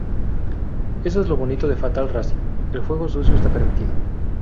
Eso es lo bonito de fatal racing, el juego sucio está permitido.